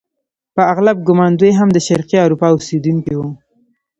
په اغلب ګومان دوی هم د شرقي اروپا اوسیدونکي وو.